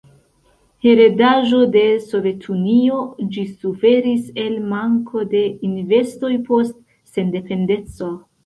Heredaĵo de Sovetunio, ĝi suferis el manko de investoj post sendependeco.